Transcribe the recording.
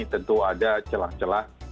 tentu ada celah celah